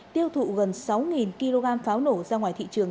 tiêu thụ gần sáu kg pháo nổ ra ngoài tp hcm